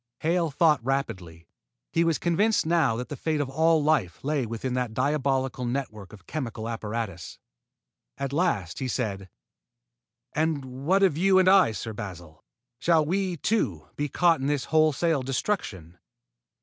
Hale thought rapidly. He was convinced now that the fate of all life lay within that diabolical network of chemical apparatus. At last he said: "And what of you and I, Sir Basil? Shall we, too, be caught in this wholesale destruction?"